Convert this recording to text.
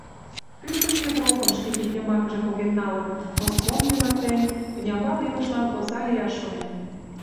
Пӱтынь Европым шке кид йымакыже поген налын, Моском йӱлатен, тӱнямбал илышлан оза лияш шонен.